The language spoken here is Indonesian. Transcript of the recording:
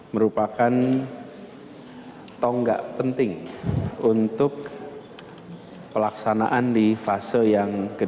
merupakan tonggak penting untuk pelaksanaan di fase yang kedua